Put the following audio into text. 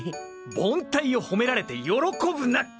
凡退をほめられて喜ぶな！